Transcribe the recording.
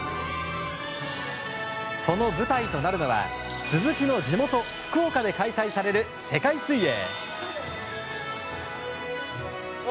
その舞台となるのは鈴木の地元・福岡で開催される世界水泳！